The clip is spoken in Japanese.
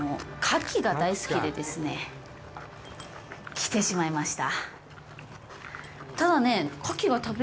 来てしまいました。